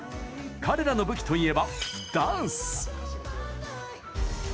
彼らの武器といえば、ダンス！